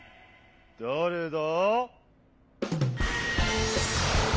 だれだ？